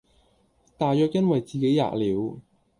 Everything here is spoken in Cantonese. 大約因爲自己喫了，